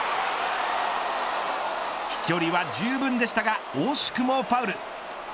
飛距離はじゅうぶんでしたが惜しくもファウル。